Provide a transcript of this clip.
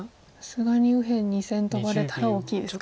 さすがに右辺２線トバれたら大きいですか。